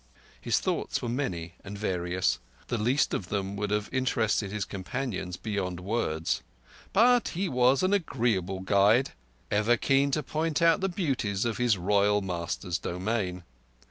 His thoughts were many and various. The least of them would have interested his companions beyond words. But he was an agreeable guide, ever keen to point out the beauties of his royal master's domain.